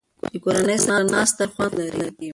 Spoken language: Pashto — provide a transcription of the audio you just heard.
د کورنۍ سره ناسته ډېر خوند لري.